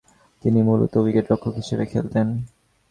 তিনি মূলতঃ উইকেট-রক্ষক হিসেবে খেলতেন।